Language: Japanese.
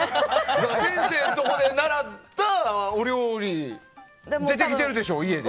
先生のところで習ったお料理出てきているでしょ、家で。